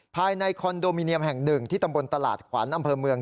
ภายในคอนโดมิเนียมแห่งหนึ่งที่ตำบลตลาดขวัญอำเภอเมือง